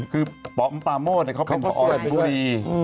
คือปาโมดเขาเป็นพอสิงห์บุรี